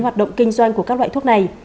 hoạt động kinh doanh của các loại thuốc này